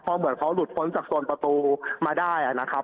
เพราะเหมือนเขาหลุดพ้นจากโซนประตูมาได้นะครับ